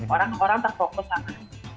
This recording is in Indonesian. orang orang terfokus sama